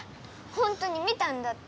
ほんとに見たんだって！